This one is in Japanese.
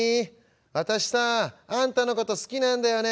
「私さあんたのこと好きなんだよね」。